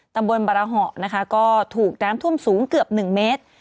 ตำบลบรหะนะคะก็ถูกน้ำท่วมสูงเกือบ๑เมตร